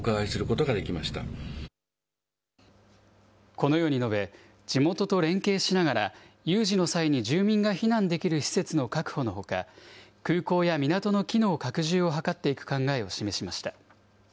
このように述べ、地元と連携しながら有事の際に住民が避難できる施設の確保のほか、空港や港の機能拡充を図っていく考えを示しました。